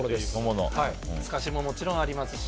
透かしももちろんありますし。